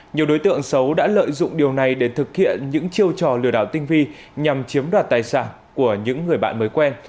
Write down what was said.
nhiều đối tượng xấu đã lợi dụng điều này để thực hiện những chiêu trò lừa đảo tinh vi nhằm chiếm đoạt tài sản của những người bạn mới quen